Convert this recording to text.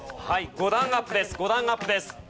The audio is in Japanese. ５段アップです。